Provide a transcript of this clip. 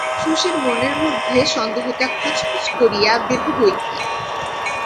শশীর মনের মধ্যে সন্দেহটা খচখচ করিয়া বেঁধে বৈকি।